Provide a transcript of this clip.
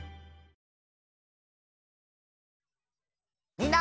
みんな。